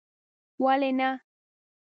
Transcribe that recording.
ولي نه